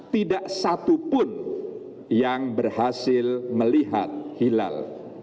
tidak satu pun yang berhasil melihat hilal